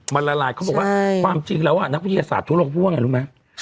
มันละลายเขาบอกว่าความจริงแล้วนักวิทยาศาสตร์ทั่วโลกพูดว่าไงรู้ไหม